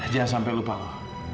jangan sampai lupa lo